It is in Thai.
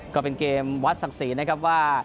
ก็เป็นเกมวัดศักดิ์ศรีนะครับว่า